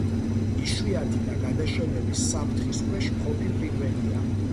იშვიათი და გადაშენების საფრთხის ქვეშ მყოფი ფრინველია.